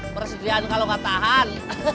persediaan kalo gak tahan